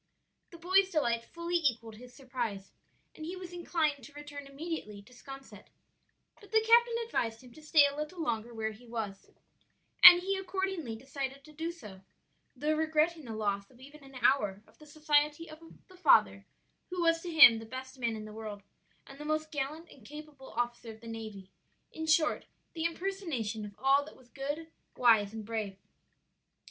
The boy's delight fully equalled his surprise, and he was inclined to return immediately to 'Sconset; but the captain advised him to stay a little longer where he was; and he accordingly decided to do so; though regretting the loss of even an hour of the society of the father who was to him the best man in the world and the most gallant and capable officer of the navy; in short, the impersonation of all that was good, wise, and brave.